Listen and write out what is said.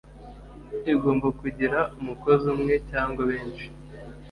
igomba kugira umukozi umwe cyangwa benshi